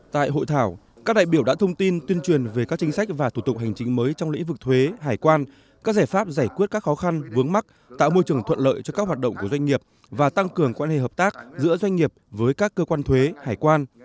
tại hội thảo các đại biểu đã thông tin tuyên truyền về các chính sách và thủ tục hành chính mới trong lĩnh vực thuế hải quan các giải pháp giải quyết các khó khăn vướng mắt tạo môi trường thuận lợi cho các hoạt động của doanh nghiệp và tăng cường quan hệ hợp tác giữa doanh nghiệp với các cơ quan thuế hải quan